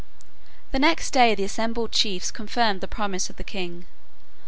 The next day the assembled chiefs confirmed the promise of the king.